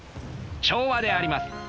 調和であります！